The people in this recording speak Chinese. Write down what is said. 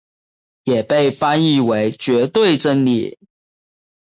也被翻译为绝对真理。